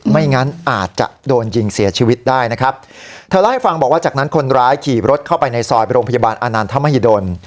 ไม่งั้นอาจจะโดนยิงเสียชีวิตได้นะครับเธอเล่าให้ฟังบอกว่าจากนั้นคนร้ายขี่รถเข้าไปในซอยโรงพยาบาลอานันทมหิดล